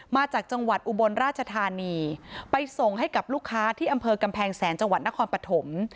มาจากจังหวัดอุบลราชธานีไปส่งให้กับลูกค้าที่อำเภอกำแพงแสนจังหวัดนครปฐม